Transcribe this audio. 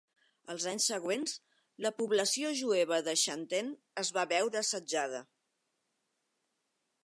Els anys següents la població jueva de Xanten es va veure assetjada.